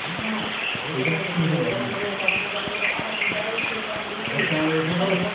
枝豆農家７代目の荒木大輔さんです。